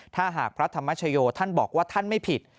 ถ้าหากพระธรรมชโยท่านบอกว่าท่านไม่ผิด